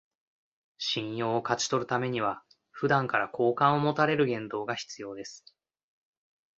信用を勝ち取るためには、普段から好感を持たれる言動が必要です